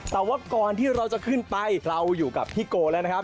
แต่ว่าก่อนที่เราจะขึ้นไปเราอยู่กับพี่โกแล้วนะครับ